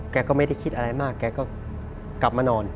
แกก็ไม่ได้คิดอะไรมากแกก็กลับมานอน